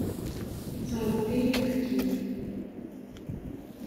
Yettṛebbi ibekki.